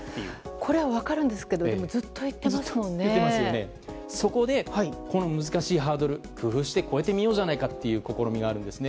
これは分かるんですけどそこでこの難しいハードル工夫して越えてみようじゃないかという試みがあるんですね。